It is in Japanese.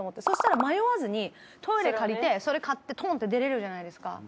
そしたら迷わずにトイレ借りてそれ買ってトンッて出れるじゃないですか。